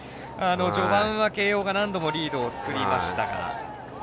序盤は慶応が何度もリードを作りましたが。